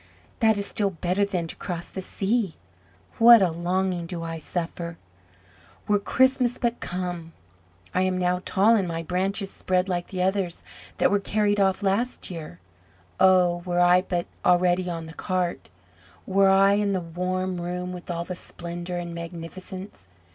"That is still better than to cross the sea! What a longing do I suffer! Were Christmas but come! I am now tall, and my branches spread like the others that were carried off last year! Oh, were I but already on the cart. Were I in the warm room with all the splendour and magnificence!